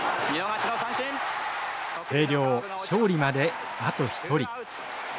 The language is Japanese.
星稜勝利まであと１人。